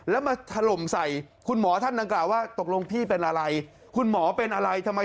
แล้วมาถล่มใส่คุณหมอท่านดังกล่าวว่าตกลงพี่เป็นอะไร